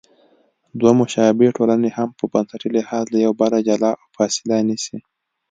دوه مشابه ټولنې هم په بنسټي لحاظ له یو بله جلا او فاصله نیسي.